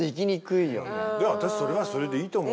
いや私それはそれでいいと思う。